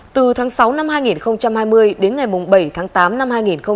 từ tháng sáu năm hai nghìn hai mươi đến ngày bảy tháng tám năm hai nghìn hai mươi